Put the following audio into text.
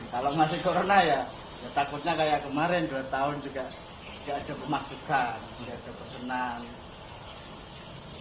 kalau masih corona ya takutnya kayak kemarin dua tahun juga tidak ada pemasukan nggak ada pesanan